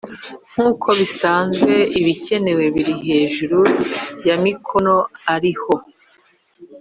nk'uko bisanzwe, ibikenewe biri hejuru y'amikoro ariho,